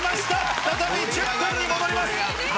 再び１０分に戻ります。